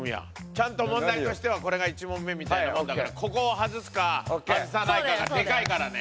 ちゃんと問題としてはこれが１問目みたいなもんだからここを外すか外さないかがでかいからね。